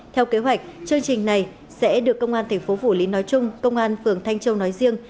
theo kế hoạch chương trình này sẽ được công an tp phủ liên nói chung công an phường thanh châu nói riêng